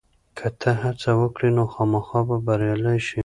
که ته هڅه وکړې، نو خامخا به بریالی شې.